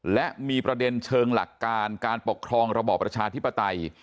และมีประเด็นเชิงหลักการการปกครองระบอบประชาธิปไตย